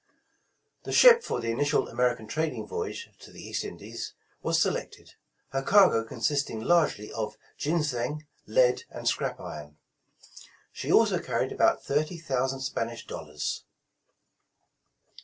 The ship for the initial American trading voyage to the East Indies, was selected, her cargo consisting largely of ginseng, lead, and scrap iron. She also carried about thirty thousand Spanish dollars.